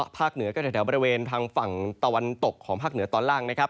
เหนือก็แถวบริเวณทางฝั่งตะวันตกของภาคเหนือตอนล่างนะครับ